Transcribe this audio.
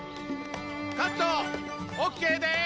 カットＯＫです